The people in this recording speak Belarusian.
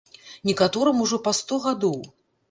Некаторым ужо па сто гадоў!